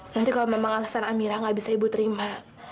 nanti kalau memang alasan amirah gak bisa ibu terima